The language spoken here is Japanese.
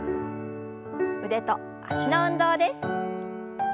腕と脚の運動です。